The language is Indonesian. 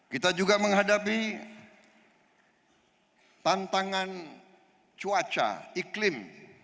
kita juga menghadapi tantangan cuaca iklim